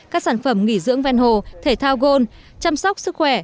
các sản phẩm nghỉ dưỡng ven hồ thể thao gôn chăm sóc sức khỏe